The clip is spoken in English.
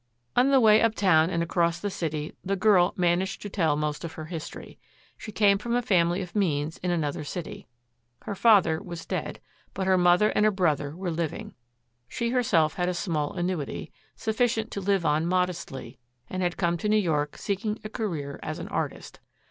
On the way uptown and across the city the girl managed to tell most of her history. She came from a family of means in another city. Her father was dead, but her mother and a brother were living. She herself had a small annuity, sufficient to live on modestly, and had come to New York seeking a career as an artist.